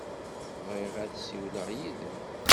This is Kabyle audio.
Bɣiɣ ad ssiwleɣ yid-m.